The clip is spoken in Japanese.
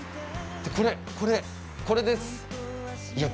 これこれこれですいや